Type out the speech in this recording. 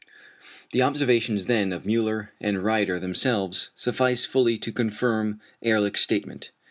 The observations then of Müller and Rieder themselves suffice fully to confirm Ehrlich's statement.